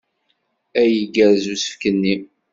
Ay igerrez usefk-nni!